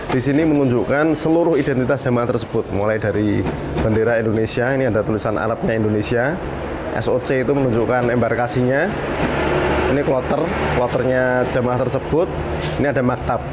di sini menunjukkan seluruh identitas jemaah tersebut mulai dari bendera indonesia ini ada tulisan arabnya indonesia soc itu menunjukkan embarkasinya ini kloter kloternya jamaah tersebut ini ada maktab